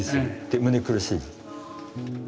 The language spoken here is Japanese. で胸苦しい？